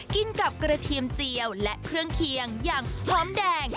กินกับกระเทียมเจียวและเครื่องเคียงอย่างหอมแดง